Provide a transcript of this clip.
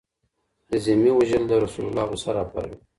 د ذمي وژل د رسول الله غصه راپاروي.